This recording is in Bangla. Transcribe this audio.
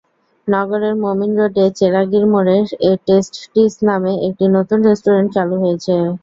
নগরের মোমিন রোডে চেরাগীর মোড়ে টেস্টটিজ নামে একটি নতুন রেস্টুরেন্ট চালু হয়েছে।